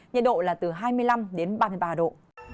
nhiệt độ là từ hai mươi năm đến ba mươi ba độ